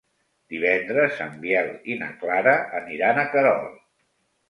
Divendres en Biel i na Clara aniran a Querol.